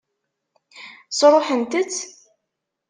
Sṛuḥent-t?